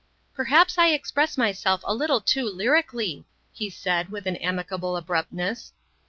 "Perhaps I express myself a little too lyrically," he said with an amicable abruptness.